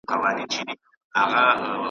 چي له خپل منبره واورم له واعظه آیتونه .